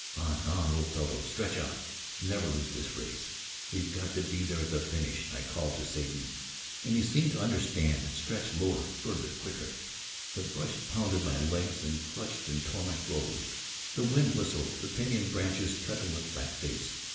"On! On! old fellow! Stretch out! Never lose this race! We've got to be there at the finish!" I called to Satan, and he seemed to understand and stretched lower, farther, quicker. The brush pounded my legs and clutched and tore my clothes; the wind whistled; the pinyon branches cut and whipped my face.